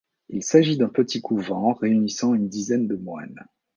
Il s'agit d'un petit couvent réunissant une dizaine de moines.